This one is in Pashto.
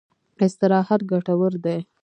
استراحت ګټور دی.